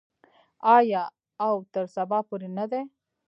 آیا او تر سبا پورې نه دی؟